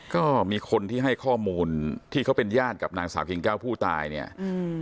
ก็มีคนที่ให้ข้อมูลที่เขาเป็นญาติกับนางสาวกิ่งแก้วผู้ตายเนี่ยอืม